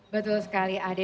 betul sekali adi